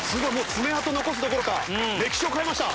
爪痕残すどころか歴史を変えました。